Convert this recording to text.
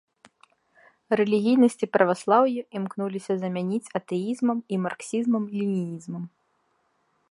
Рэлігійнасць і праваслаўе імкнуліся замяніць атэізмам і марксізмам-ленінізмам.